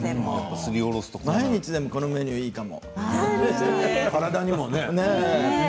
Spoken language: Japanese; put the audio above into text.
毎日でもこのメニューいいかも。